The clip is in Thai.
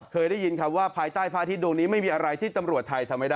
เคยได้ยินคำว่าภายใต้พระอาทิตยดวงนี้ไม่มีอะไรที่ตำรวจไทยทำไม่ได้